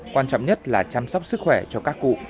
quan trọng nhất là chăm sóc sức khỏe cho các cụ